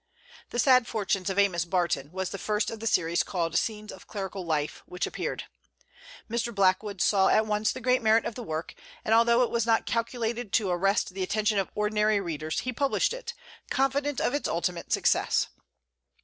"The Sad Fortunes of Amos Barton" was the first of the series called "Scenes of Clerical Life" which appeared. Mr. Blackwood saw at once the great merit of the work, and although it was not calculated to arrest the attention of ordinary readers he published it, confident of its ultimate success.